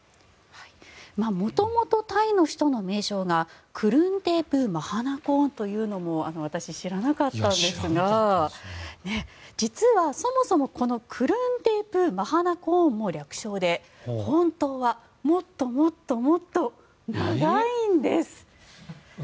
元々、タイの首都の名称がクルンテープ・マハナコーンというのも私、知らなかったんですが実は、そもそもこのクルンテープ・マハナコーンも略称で本当はもっともっともっと長いんです。